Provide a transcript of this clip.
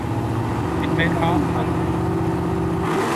It made her angry.